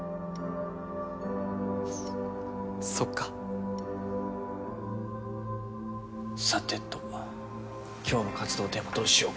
そっかさてと今日の活動テーマどうしようか？